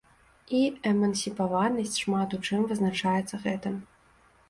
І эмансіпаванасць шмат у чым вызначаецца гэтым.